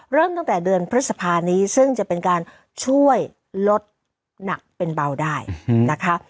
เริ่มตั้งแต่เดือนพฤษภานี้ซึ่งจะเป็นการช่วยลดหนักเป็นเบาได้นะคะ